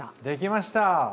できました！